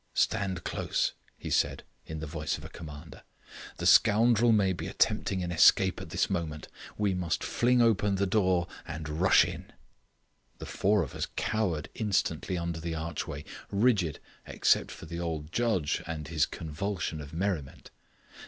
"Stand close," he said in the voice of a commander. "The scoundrel may be attempting an escape at this moment. We must fling open the door and rush in." The four of us cowered instantly under the archway, rigid, except for the old judge and his convulsion of merriment.